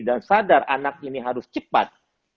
dan sadar anak ini harus cepat